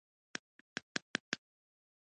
بېنډۍ د ژر هضم کېدونکو خوړو نه ده